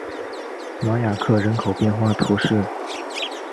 朗雅克人口变化图示